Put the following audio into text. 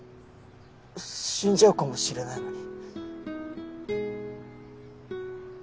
死んじゃうかもしれないのに。